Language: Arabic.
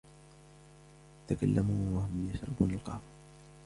تكلموا وهم يشربون القهوة.